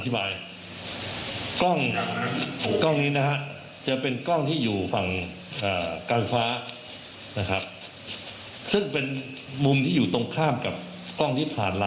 เวลา๒๒นาที